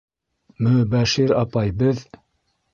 — Мө-Өбәшир апай, беҙ...